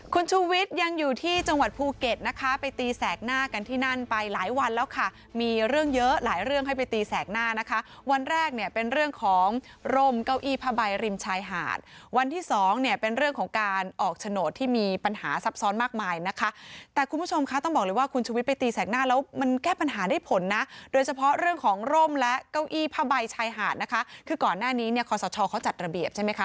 คุณชุวิตยังอยู่ที่จังหวัดภูเก็ตนะคะไปตีแสกหน้ากันที่นั่นไปหลายวันแล้วค่ะมีเรื่องเยอะหลายเรื่องให้ไปตีแสกหน้านะคะวันแรกเนี่ยเป็นเรื่องของรมเก้าอี้พะใบริมชายหาดวันที่สองเนี่ยเป็นเรื่องของการออกโฉนดที่มีปัญหาซับซ้อนมากมายนะคะแต่คุณผู้ชมคะต้องบอกเลยว่าคุณชุวิตไปตีแสกหน้าแล้วมันแก้ปัญหาได้ผ